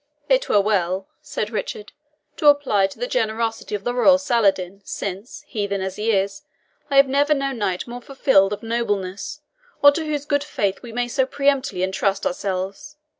"It were well," said Richard, "to apply to the generosity of the royal Saladin, since, heathen as he is, I have never known knight more fulfilled of nobleness, or to whose good faith we may so peremptorily entrust ourselves.